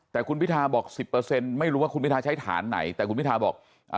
แต่คุณพิธาบอก๑๐ไม่รู้ว่าคุณพิธาใช้ฐานไหนแต่คุณพิธาบอก